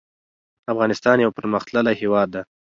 افغانستان يو پرمختللی هيواد ده